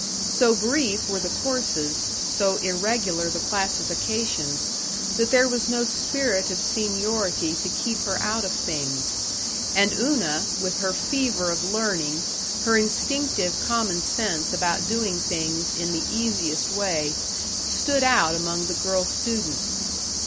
So brief were the courses, so irregular the classifications, that there was no spirit of seniority to keep her out of things; and Una, with her fever of learning, her instinctive common sense about doing things in the easiest way, stood out among the girl students.